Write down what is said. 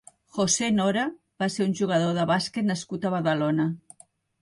José Nora va ser un jugador de bàsquet nascut a Badalona.